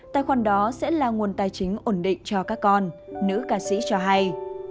tài khoản đó sẽ là nguồn tài chính ổn định cho các con nữ ca sĩ cho hay